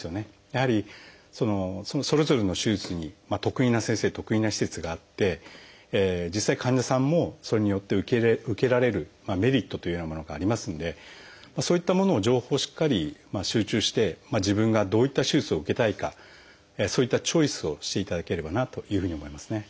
やはりそれぞれの手術に得意な先生得意な施設があって実際患者さんもそれによって受けられるメリットというようなものがありますのでそういったものを情報をしっかり収集して自分がどういった手術を受けたいかそういったチョイスをしていただければなというふうに思いますね。